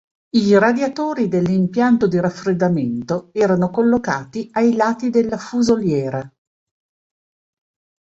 I radiatori dell'impianto di raffreddamento erano collocati ai lati della fusoliera.